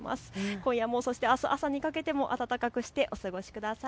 今夜も、そしてあす朝にかけても暖かくして過ごしてください。